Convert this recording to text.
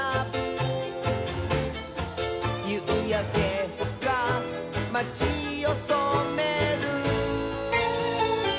「ゆうやけがまちをそめる」